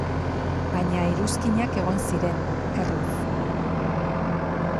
Baina iruzkinak egon ziren, erruz.